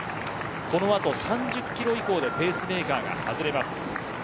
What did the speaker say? ３０キロ以降でペースメーカーが外れます。